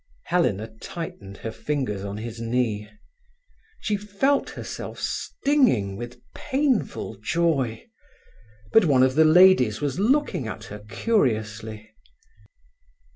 Helena tightened her fingers on his knee. She felt herself stinging with painful joy; but one of the ladies was looking her curiously.